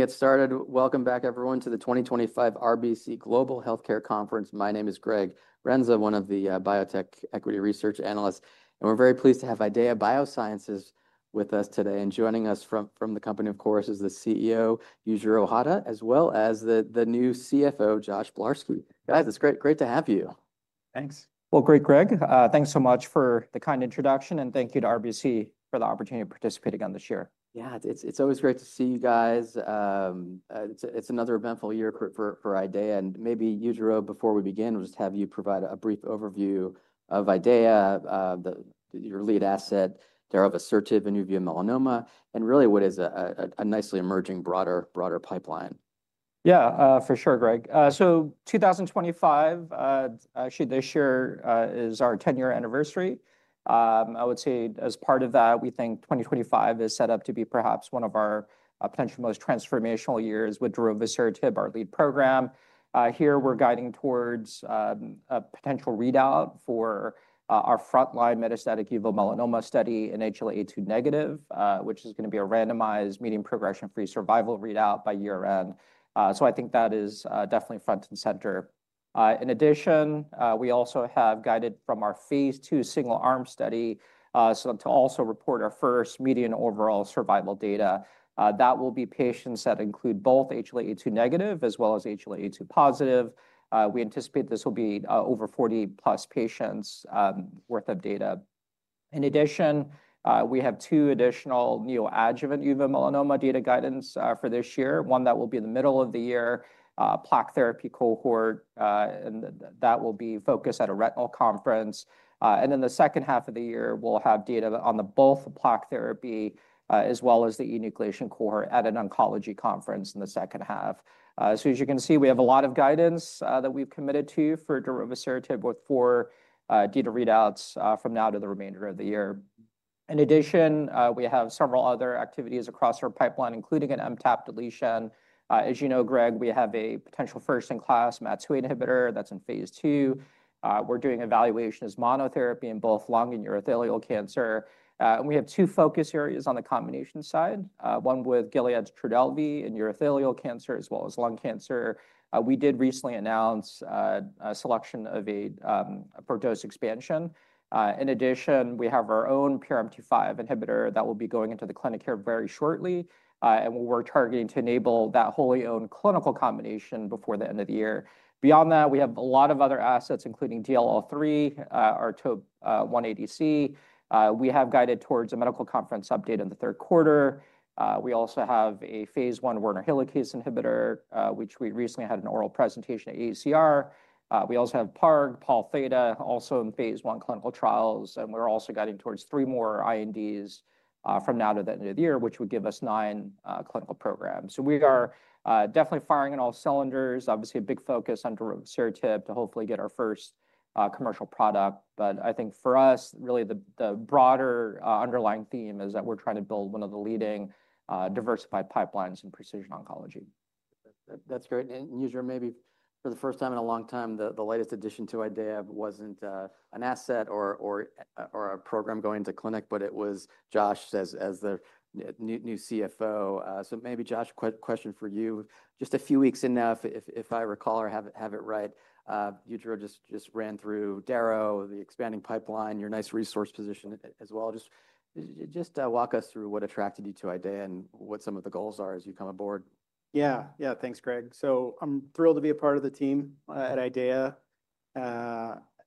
To get started, welcome back, everyone, to the 2025 RBC Global Healthcare Conference. My name is Greg Renza, one of the biotech equity research analysts, and we're very pleased to have IDEAYA Biosciences with us today. Joining us from the company, of course, is the CEO, Yujiro Hata, as well as the new CFO, Josh Bleharski. Guys, it's great to have you. Thanks. Great, Greg. Thanks so much for the kind introduction, and thank you to RBC for the opportunity to participate again this year. Yeah, it's always great to see you guys. It's another eventful year for IDEAYA. Maybe, Yujiro, before we begin, we'll just have you provide a brief overview of IDEAYA, your lead asset, Darovasertib in uveal melanoma, and really what is a nicely emerging broader pipeline. Yeah, for sure, Greg. 2025, actually this year, is our 10-year anniversary. I would say as part of that, we think 2025 is set up to be perhaps one of our potentially most transformational years with Darovasertib, our lead program. Here, we're guiding towards a potential readout for our frontline metastatic uveal melanoma study in HLAA2 negative, which is going to be a randomized median progression-free survival readout by year-end. I think that is definitely front and center. In addition, we also have guided from our phase II single-arm study to also report our first median overall survival data. That will be patients that include both HLA-A2 negative as well as HLA-A2 positive. We anticipate this will be over 40+ patients' worth of data. In addition, we have two additional neoadjuvant uveal melanoma data guidance for this year, one that will be in the middle of the year, Plaque Therapy cohort, and that will be focused at a retinal conference. In the second half of the year, we'll have data on both the Plaque Therapy as well as the enucleation cohort at an oncology conference in the second half. As you can see, we have a lot of guidance that we've committed to for Darovasertib with four data readouts from now to the remainder of the year. In addition, we have several other activities across our pipeline, including an MTAP deletion. As you know, Greg, we have a potential first-in-class MAT2A inhibitor that's in phase II. We're doing evaluations of monotherapy in both lung and urothelial cancer. We have two focus areas on the combination side, one with Gilead's Trodelvy in urothelial cancer as well as lung cancer. We did recently announce a selection of a dose expansion. In addition, we have our own PRMT5 inhibitor that will be going into the clinic here very shortly, and we're targeting to enable that wholly owned clinical combination before the end of the year. Beyond that, we have a lot of other assets, including DLL3, our 180C. We have guided towards a medical conference update in the third quarter. We also have a phase I WRN inhibitor, which we recently had an oral presentation at AACR. We also have PARG, Pol Theta, also in phase I clinical trials. We're also guiding towards three more INDs from now to the end of the year, which would give us nine clinical programs. We are definitely firing on all cylinders, obviously a big focus on Darovasertib to hopefully get our first commercial product. I think for us, really the broader underlying theme is that we're trying to build one of the leading diversified pipelines in precision oncology. That's great. Yujiro, maybe for the first time in a long time, the latest addition to IDEAYA wasn't an asset or a program going into clinic, but it was Josh as the new CFO. Maybe Josh, question for you, just a few weeks in now, if I recall or have it right, Yujiro just ran through Darovasertib, the expanding pipeline, your nice resource position as well. Just walk us through what attracted you to IDEAYA and what some of the goals are as you come aboard. Yeah, yeah, thanks, Greg. I'm thrilled to be a part of the team at IDEAYA.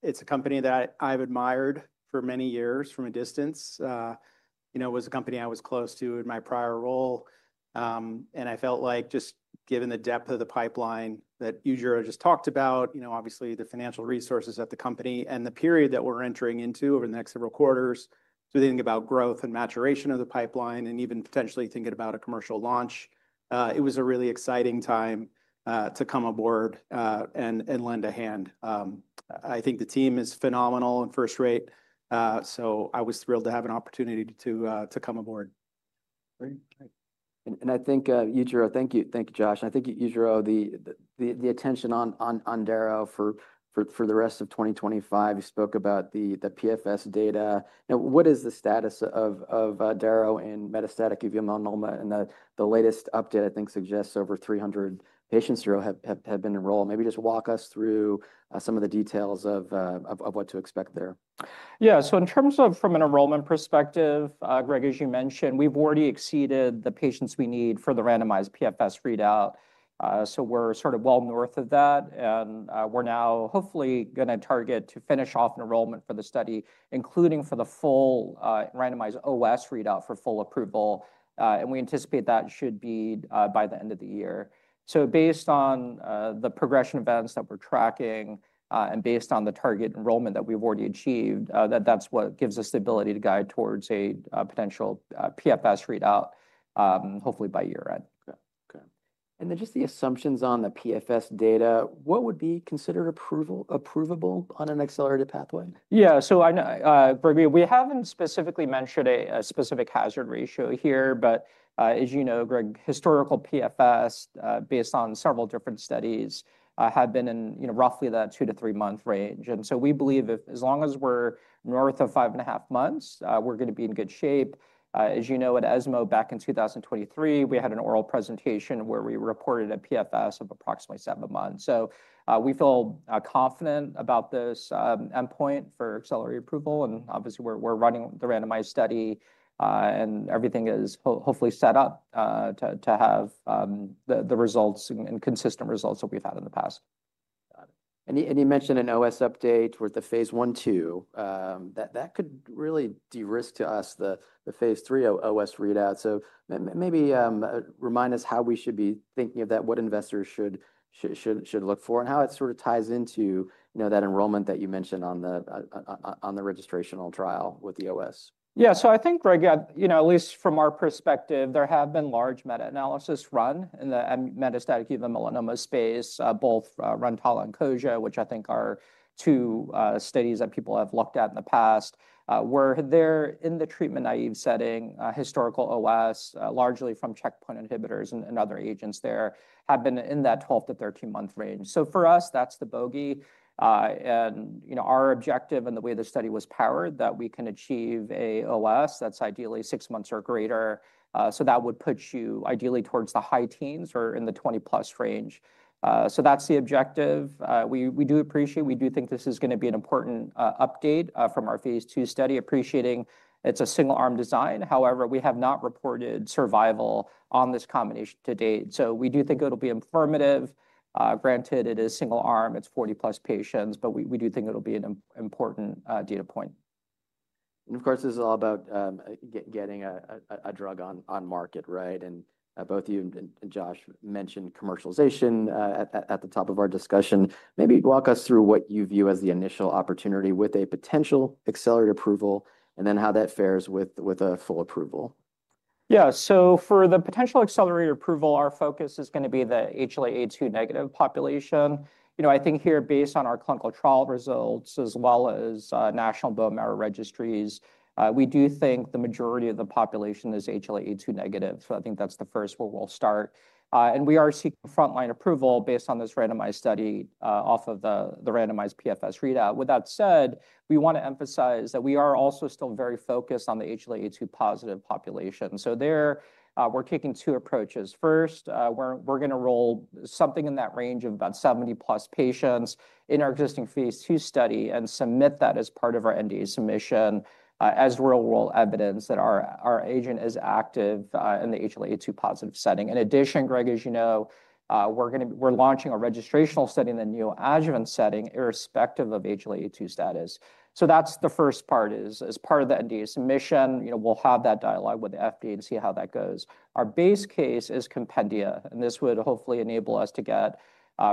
It's a company that I've admired for many years from a distance. It was a company I was close to in my prior role. I felt like just given the depth of the pipeline that Yujiro just talked about, obviously the financial resources at the company and the period that we're entering into over the next several quarters, thinking about growth and maturation of the pipeline and even potentially thinking about a commercial launch, it was a really exciting time to come aboard and lend a hand. I think the team is phenomenal and first rate. I was thrilled to have an opportunity to come aboard. I think, Yujiro, thank you, thank you, Josh. I think, Yujiro, the attention on Daro for the rest of 2025, you spoke about the PFS data. Now, what is the status of Daro in metastatic uveal melanoma? The latest update, I think, suggests over 300 patients have been enrolled. Maybe just walk us through some of the details of what to expect there. Yeah, so in terms of from an enrollment perspective, Greg, as you mentioned, we've already exceeded the patients we need for the randomized PFS readout. We're sort of well north of that. We're now hopefully going to target to finish off enrollment for the study, including for the full randomized OS readout for full approval. We anticipate that should be by the end of the year. Based on the progression events that we're tracking and based on the target enrollment that we've already achieved, that's what gives us the ability to guide towards a potential PFS readout, hopefully by year-end. Okay. And then just the assumptions on the PFS data, what would be considered approvable on an accelerated pathway? Yeah, so for me, we haven't specifically mentioned a specific hazard ratio here, but as you know, Greg, historical PFS based on several different studies have been in roughly that two to three-month range. We believe as long as we're north of five and a half months, we're going to be in good shape. As you know, at ESMO back in 2023, we had an oral presentation where we reported a PFS of approximately seven months. We feel confident about this endpoint for Accelerated Approval. Obviously, we're running the randomized study and everything is hopefully set up to have the results and consistent results that we've had in the past. You mentioned an OS update with the phase I and phase II. That could really de-risk to us the phase III OS readout. Maybe remind us how we should be thinking of that, what investors should look for, and how it sort of ties into that enrollment that you mentioned on the registration trial with the OS. Yeah, so I think, Greg, at least from our perspective, there have been large meta-analyses run in the metastatic uveal melanoma space, both Rantala and Kujala, which I think are two studies that people have looked at in the past. Where they're in the treatment-naive setting, historical OS, largely from checkpoint inhibitors and other agents there, have been in that 12-13 month range. For us, that's the bogey. Our objective and the way the study was powered is that we can achieve an OS that's ideally six months or greater. That would put you ideally towards the high teens or in the 20+ range. That's the objective. We do appreciate, we do think this is going to be an important update from our phase II study, appreciating it's a single-arm design. However, we have not reported survival on this combination to date. We do think it'll be informative. Granted, it is single-arm, it's 40+ patients, but we do think it'll be an important data point. Of course, this is all about getting a drug on market, right? Both you and Josh mentioned commercialization at the top of our discussion. Maybe walk us through what you view as the initial opportunity with a potential Accelerated Approval and then how that fares with a full approval. Yeah, so for the potential Accelerated Approval, our focus is going to be the HLA-A2 negative population. I think here, based on our clinical trial results as well as national bone marrow registries, we do think the majority of the population is HLA-A2 negative. I think that's the first where we'll start. We are seeking frontline approval based on this randomized study off of the randomized PFS readout. With that said, we want to emphasize that we are also still very focused on the HLA-A2 positive population. There, we're taking two approaches. First, we're going to roll something in that range of about 70+ patients in our existing phase II study and submit that as part of our NDA submission as real-world evidence that our agent is active in the HLA-A2 positive setting. In addition, Greg, as you know, we're launching a registrational study in the neoadjuvant setting irrespective of HLA-A2 status. That's the first part. As part of the NDA submission, we'll have that dialogue with the FDA to see how that goes. Our base case is Compendia, and this would hopefully enable us to get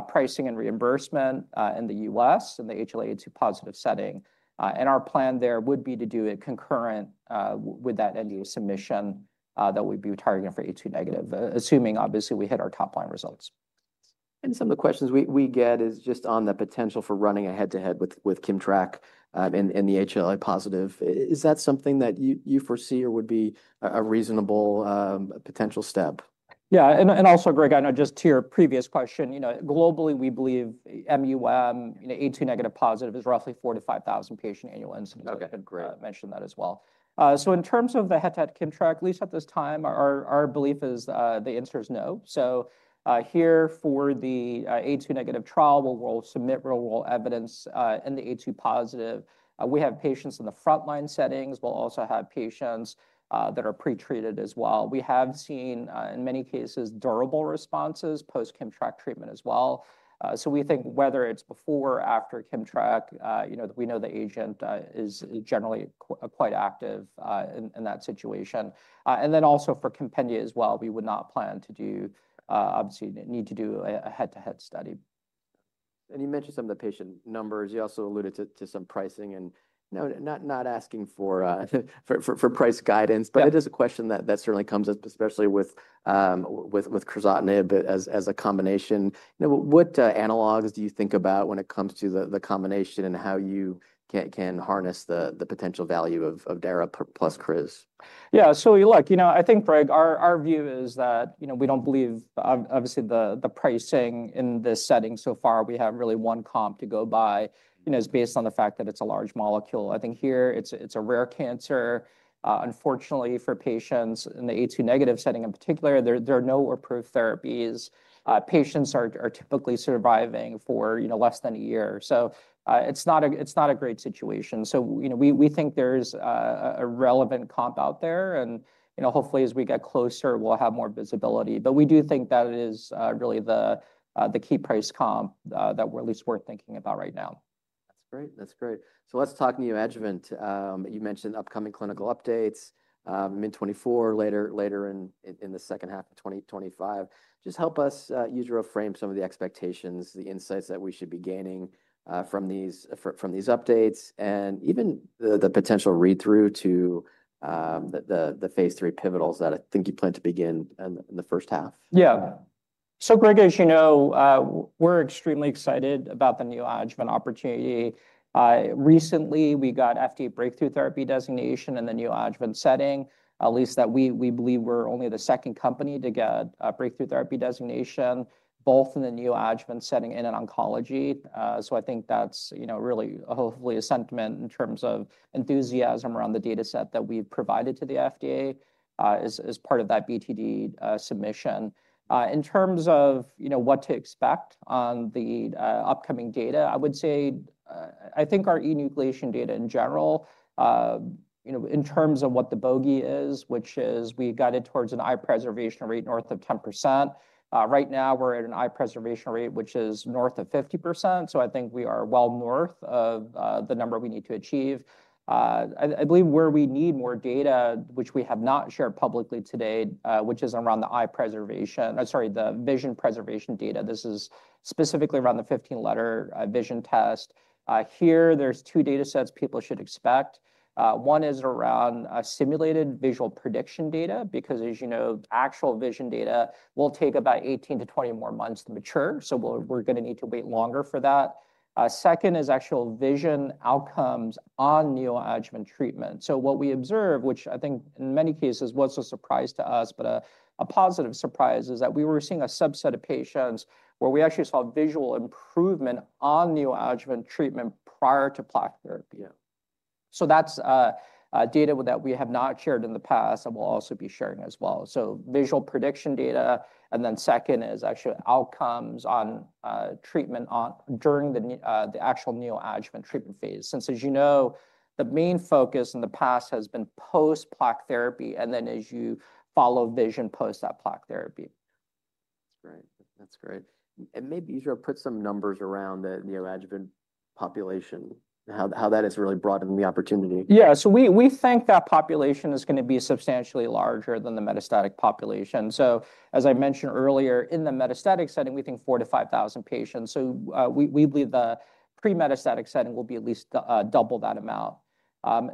pricing and reimbursement in the US in the HLA-A2 positive setting. Our plan there would be to do it concurrent with that NDA submission that we'd be targeting for *A2 negative, assuming obviously we hit our top line results. Some of the questions we get is just on the potential for running a head-to-head with KIMMTRAK in the HLA-A2 positive. Is that something that you foresee or would be a reasonable potential step? Yeah, and also, Greg, I know just to your previous question, globally, we believe MUM HLA-A2 negative-positive is roughly 4,000-5,000 patient annual incidence. Okay, great. Mentioned that as well. In terms of the HTAC KIMMTRAK, at least at this time, our belief is the answer is no. Here for the A2 negative trial, we'll submit real-world evidence. In the A2 positive, we have patients in the frontline settings. We'll also have patients that are pretreated as well. We have seen in many cases durable responses post-KIMMTRAK treatment as well. We think whether it's before or after KIMMTRAK, we know the agent is generally quite active in that situation. Also for Compendia as well, we would not plan to do, obviously need to do a head-to-head study. You mentioned some of the patient numbers. You also alluded to some pricing and not asking for price guidance, but it is a question that certainly comes up, especially with Crizotinib as a combination. What analogs do you think about when it comes to the combination and how you can harness the potential value of Daro + Criz? Yeah, so look, you know I think, Greg, our view is that we don't believe obviously the pricing in this setting so far, we have really one comp to go by, is based on the fact that it's a large molecule. I think here it's a rare cancer. Unfortunately, for patients in the A2 negative setting in particular, there are no approved therapies. Patients are typically surviving for less than a year. It is not a great situation. We think there's a relevant comp out there. Hopefully, as we get closer, we'll have more visibility. We do think that it is really the key price comp that we're at least worth thinking about right now. That's great. That's great. Let's talk neoadjuvant. You mentioned upcoming clinical updates, MIN-24 later in the second half of 2025. Just help us, Yujiro, frame some of the expectations, the insights that we should be gaining from these updates and even the potential read-through to the phase III pivotals that I think you plan to begin in the first half. Yeah. Greg, as you know, we're extremely excited about the neoadjuvant opportunity. Recently, we got FDA Breakthrough Therapy Designation in the neoadjuvant setting, at least that we believe we're only the second company to get a Breakthrough Therapy Designation, both in the neoadjuvant setting and in oncology. I think that's really hopefully a sentiment in terms of enthusiasm around the dataset that we've provided to the FDA as part of that BTD submission. In terms of what to expect on the upcoming data, I would say I think our enucleation data in general, in terms of what the bogey is, which is we guided towards an eye preservation rate north of 10%. Right now, we're at an eye preservation rate, which is north of 50%. I think we are well north of the number we need to achieve. I believe where we need more data, which we have not shared publicly today, which is around the eye preservation, sorry, the vision preservation data. This is specifically around the 15-letter vision test. Here, there's two datasets people should expect. One is around simulated visual prediction data because, as you know, actual vision data will take about 18-20 more months to mature. So we're going to need to wait longer for that. Second is actual vision outcomes on neoadjuvant treatment. What we observe, which I think in many cases was a surprise to us, but a positive surprise is that we were seeing a subset of patients where we actually saw visual improvement on neoadjuvant treatment prior to Plaque Brachytherapy. That's data that we have not shared in the past and we'll also be sharing as well. Visual prediction data. Second is actually outcomes on treatment during the actual neoadjuvant treatment phase. Since, as you know, the main focus in the past has been post-plaque therapy and then as you follow vision post that Plaque Therapy. That's great. That's great. Maybe, Yujiro, put some numbers around the neoadjuvant population, how that has really broadened the opportunity. Yeah, so we think that population is going to be substantially larger than the metastatic population. As I mentioned earlier, in the metastatic setting, we think 4,000-5,000 patients. We believe the pre-metastatic setting will be at least double that amount.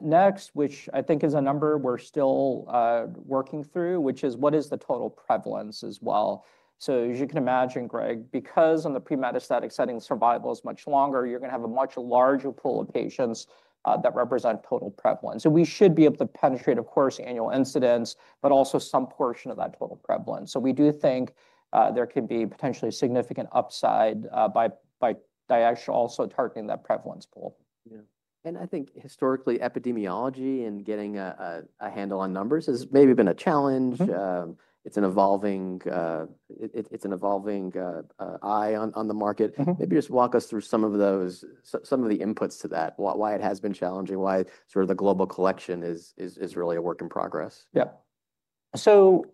Next, which I think is a number we're still working through, is what is the total prevalence as well. As you can imagine, Greg, because in the pre-metastatic setting, survival is much longer, you're going to have a much larger pool of patients that represent total prevalence. We should be able to penetrate, of course, annual incidence, but also some portion of that total prevalence. We do think there could be potentially significant upside by actually also targeting that prevalence pool. Yeah. I think historically, epidemiology and getting a handle on numbers has maybe been a challenge. It's an evolving eye on the market. Maybe just walk us through some of the inputs to that, why it has been challenging, why sort of the global collection is really a work in progress. Yeah. Uveal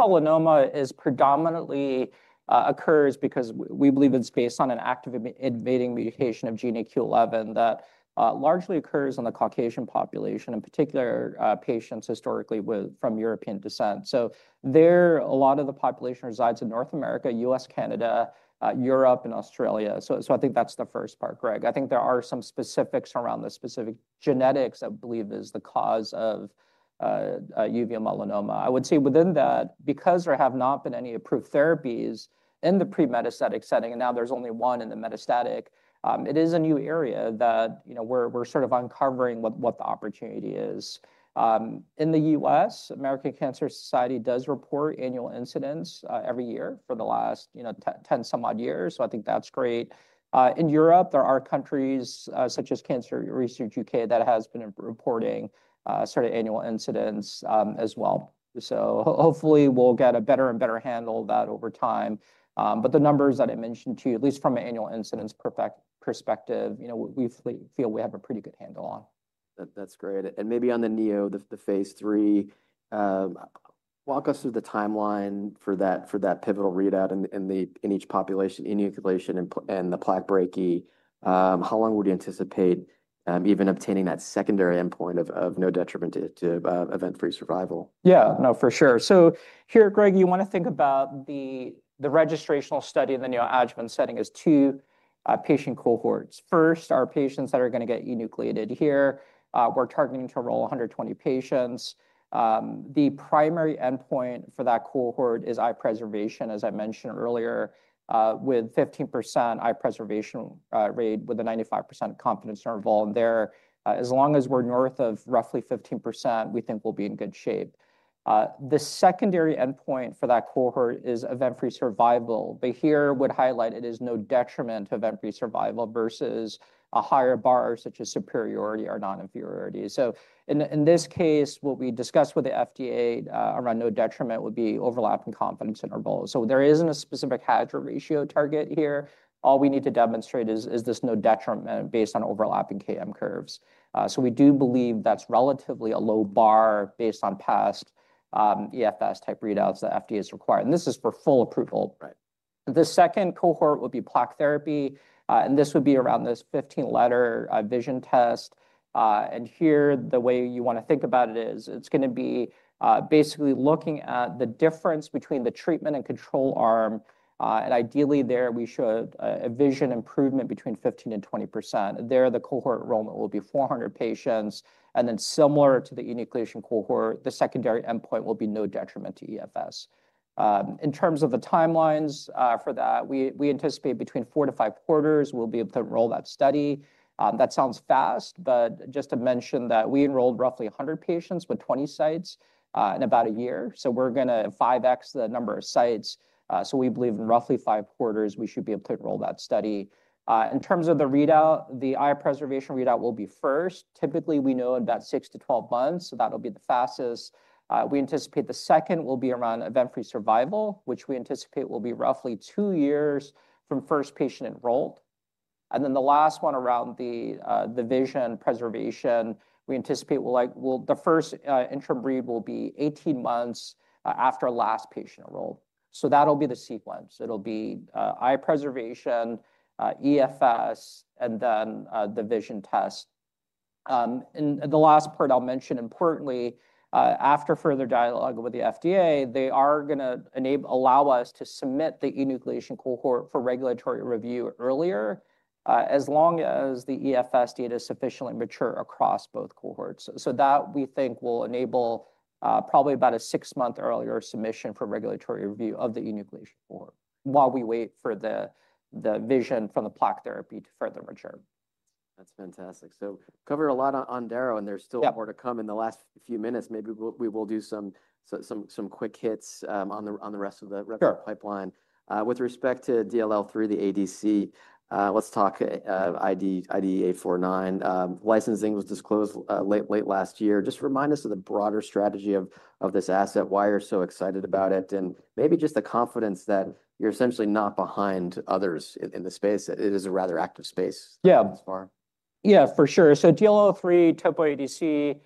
melanoma predominantly occurs because we believe it's based on an active invading mutation of gene GNAQ that largely occurs in the Caucasian population, in particular patients historically from European descent. A lot of the population resides in North America, U.S., Canada, Europe, and Australia. I think that's the first part, Greg. I think there are some specifics around the specific genetics that I believe is the cause of uveal melanoma. I would say within that, because there have not been any approved therapies in the pre-metastatic setting, and now there's only one in the metastatic, it is a new area that we're sort of uncovering what the opportunity is. In the U.S., American Cancer Society does report annual incidence every year for the last 10-some-odd years. I think that's great. In Europe, there are countries such as Cancer Research UK that has been reporting sort of annual incidents as well. Hopefully, we'll get a better and better handle of that over time. The numbers that I mentioned to you, at least from an annual incidence perspective, we feel we have a pretty good handle on. That's great. Maybe on the neo, the phase III, walk us through the timeline for that pivotal readout in each population, enucleation and the Plaque Brachy. How long would you anticipate even obtaining that secondary endpoint of no detriment to event-free survival? Yeah, no, for sure. Here, Greg, you want to think about the registrational study in the neoadjuvant setting as two patient cohorts. First, our patients that are going to get enucleated here, we're targeting to enroll 120 patients. The primary endpoint for that cohort is eye preservation, as I mentioned earlier, with 15% eye preservation rate with a 95% confidence interval. There, as long as we're north of roughly 15%, we think we'll be in good shape. The secondary endpoint for that cohort is event-free survival. Here, I would highlight it is no detriment to event-free survival versus a higher bar such as superiority or non-inferiority. In this case, what we discussed with the FDA around no detriment would be overlapping confidence intervals. There isn't a specific hazard ratio target here. All we need to demonstrate is this no detriment based on overlapping KM curves. We do believe that's relatively a low bar based on past EFS type readouts that FDA has required. This is for full approval. The second cohort would be Plaque Therapy. This would be around this 15-letter vision test. The way you want to think about it is it's going to be basically looking at the difference between the treatment and control arm. Ideally, there we show a vision improvement between 15%-20%. The cohort enrollment will be 400 patients. Similar to the enucleation cohort, the secondary endpoint will be no detriment to EFS. In terms of the timelines for that, we anticipate between four to five quarters, we'll be able to enroll that study. That sounds fast, but just to mention that we enrolled roughly 100 patients with 20 sites in about a year. We're going to 5x the number of sites. We believe in roughly five quarters, we should be able to enroll that study. In terms of the readout, the eye preservation readout will be first. Typically, we know in about 6-12 months, so that'll be the fastest. We anticipate the second will be around event-free survival, which we anticipate will be roughly two years from first patient enrolled. The last one around the vision preservation, we anticipate the first interim read will be 18 months after last patient enrolled. That'll be the sequence. It'll be eye preservation, EFS, and then the vision test. The last part I'll mention importantly, after further dialogue with the FDA, they are going to allow us to submit the enucleation cohort for regulatory review earlier as long as the EFS data is sufficiently mature across both cohorts. That we think will enable probably about a six-month earlier submission for regulatory review of the enucleation cohort while we wait for the vision from the Plaque Therapy to further mature. That's fantastic. Covered a lot on Darovasertib, and there's still more to come in the last few minutes. Maybe we will do some quick hits on the rest of the pipeline. With respect to DLL3, the ADC, let's talk IDE849. Licensing was disclosed late last year. Just remind us of the broader strategy of this asset. Why are you so excited about it? And maybe just the confidence that you're essentially not behind others in the space. It is a rather active space. Yeah, yeah, for sure. DLL3, TOPO ADC,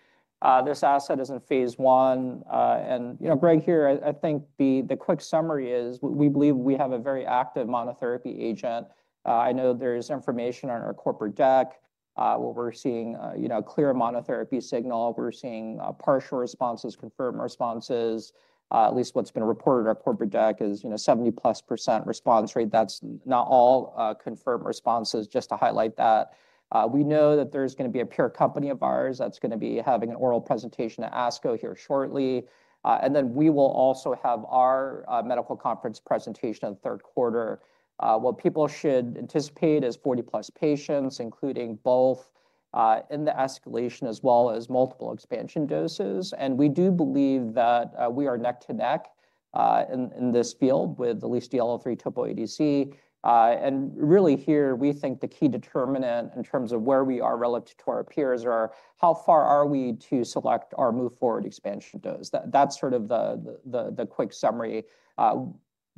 this asset is in phase I. Greg, here, I think the quick summary is we believe we have a very active monotherapy agent. I know there's information on our corporate deck where we're seeing a clear monotherapy signal. We're seeing partial responses, confirmed responses. At least what's been reported on our corporate deck is 70+% response rate. That's not all confirmed responses, just to highlight that. We know that there's going to be a peer company of ours that's going to be having an oral presentation at ASCO here shortly. We will also have our medical conference presentation in the third quarter. What people should anticipate is 40+ patients, including both in the escalation as well as multiple expansion doses. We do believe that we are neck to neck in this field with at least DLL3, TOPO ADC. Really here, we think the key determinant in terms of where we are relative to our peers is how far are we to select our move-forward expansion dose. That's sort of the quick summary.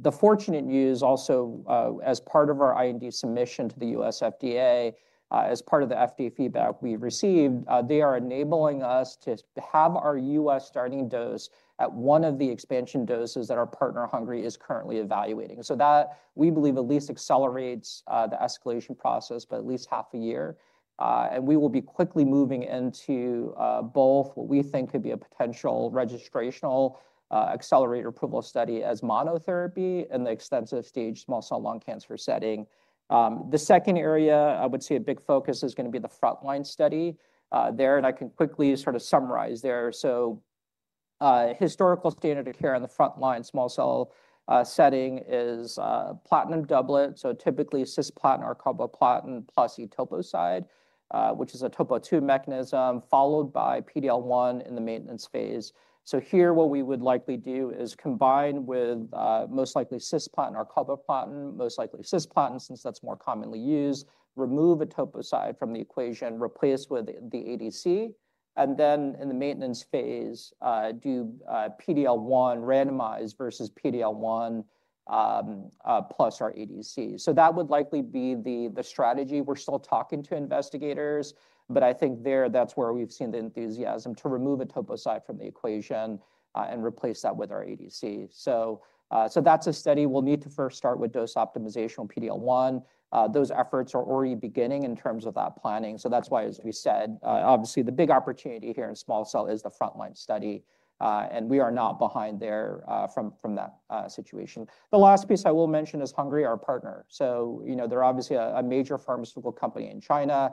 The fortunate news also, as part of our IND submission to the U.S. FDA, as part of the FDA feedback we received, they are enabling us to have our U.S. starting dose at one of the expansion doses that our partner HUTCHMED is currently evaluating. That, we believe, at least accelerates the escalation process by at least half a year. We will be quickly moving into both what we think could be a potential registrational accelerator approval study as monotherapy in the extensive stage small cell lung cancer setting. The second area I would see a big focus is going to be the frontline study there. I can quickly sort of summarize there. Historical standard of care on the frontline small cell setting is platinum doublet. Typically, cisplatin or carboplatin plus etoposide, which is a TOPO2 mechanism, followed by PD-L1 in the maintenance phase. Here, what we would likely do is combine with most likely cisplatin or carboplatin, most likely cisplatin since that's more commonly used, remove etoposide from the equation, replace with the ADC. In the maintenance phase, do PD-L1 randomized versus PD-L1 plus our ADC. That would likely be the strategy. We're still talking to investigators. I think there, that's where we've seen the enthusiasm to remove etoposide from the equation and replace that with our ADC. That's a study. We'll need to first start with dose optimization with PD-L1. Those efforts are already beginning in terms of that planning. That is why, as we said, obviously, the big opportunity here in small cell is the frontline study. We are not behind there from that situation. The last piece I will mention is HUTCHMED, our partner. They are obviously a major pharmaceutical company in China.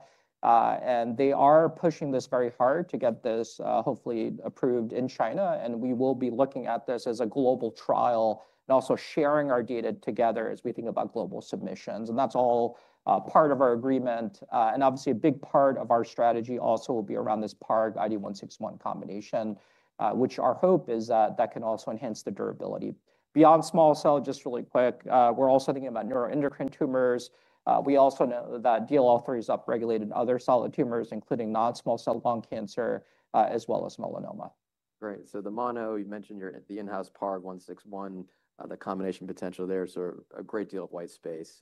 They are pushing this very hard to get this hopefully approved in China. We will be looking at this as a global trial and also sharing our data together as we think about global submissions. That is all part of our agreement. Obviously, a big part of our strategy also will be around this PARG IDE161 combination, which our hope is that that can also enhance the durability. Beyond small cell, just really quick, we are also thinking about neuroendocrine tumors. We also know that DLL3 is upregulated in other solid tumors, including non-small cell lung cancer as well as melanoma. Great. The mono, you mentioned you're at the in-house PARG 161, the combination potential there. A great deal of white space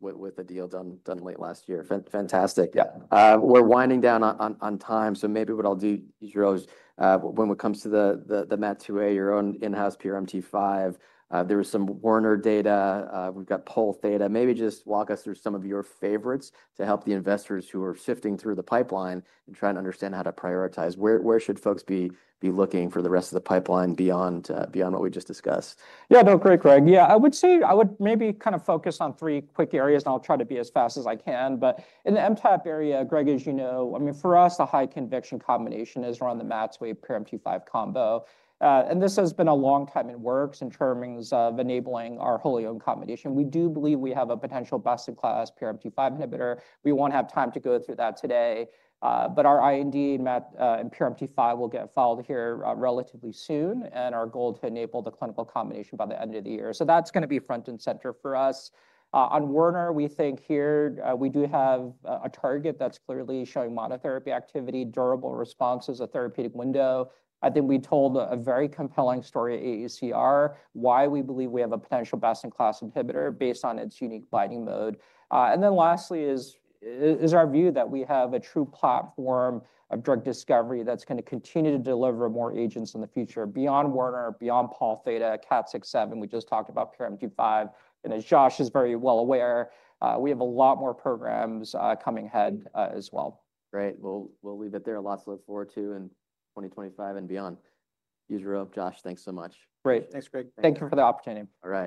with a deal done late last year. Fantastic. We're winding down on time. Maybe what I'll do, Yujiro, is when it comes to the MAT2A, your own in-house PRMT5, there was some Werner data. We've got poll theta. Maybe just walk us through some of your favorites to help the investors who are sifting through the pipeline and trying to understand how to prioritize. Where should folks be looking for the rest of the pipeline beyond what we just discussed? Yeah, no, great, Greg. Yeah, I would say I would maybe kind of focus on three quick areas, and I'll try to be as fast as I can. In the MTAP area, Greg, as you know, I mean, for us, the high convection combination is around the MAT2A PRMT5 combo. This has been a long time in works in terms of enabling our wholly owned combination. We do believe we have a potential best-in-class PRMT5 inhibitor. We won't have time to go through that today. Our IND and PRMT5 will get filed here relatively soon. Our goal is to enable the clinical combination by the end of the year. That is going to be front and center for us. On Werner, we think here we do have a target that's clearly showing monotherapy activity, durable responses, a therapeutic window. I think we told a very compelling story at AACR why we believe we have a potential best-in-class inhibitor based on its unique binding mode. Lastly, it is our view that we have a true platform of drug discovery that is going to continue to deliver more agents in the future beyond Werner, beyond Pol Theta, KAT6/7. We just talked about PRMT5. As Josh is very well aware, we have a lot more programs coming ahead as well. Great. We'll leave it there. Lots to look forward to in 2025 and beyond. Yujiro Hata, Josh, thanks so much. Great. Thanks, Greg. Thank you for the opportunity. All right.